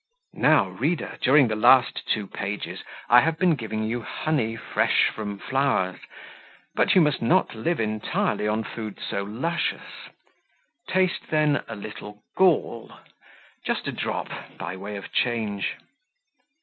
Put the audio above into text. Now, reader, during the last two pages I have been giving you honey fresh from flowers, but you must not live entirely on food so luscious; taste then a little gall just a drop, by way of change.